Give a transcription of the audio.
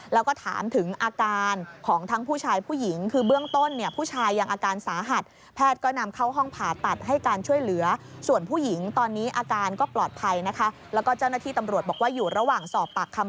แล้วก็เจ้าหน้าที่ตำรวจบอกว่าอยู่ระหว่างสอบปากคำ